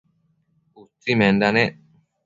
utsimenda nec